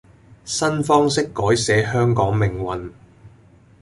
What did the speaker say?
新方式改寫香港命運